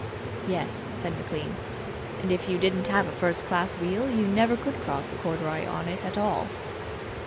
"Yes," said McLean; "and if you didn't have a first class wheel, you never could cross the corduroy on it at all."